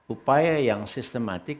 upaya yang sistematik